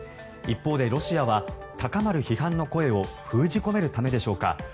一方でロシアは高まる批判の声を封じ込めるためでしょうか。